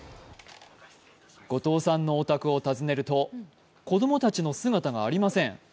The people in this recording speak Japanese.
後藤さんのお宅を訪ねると子供たちの姿がありません。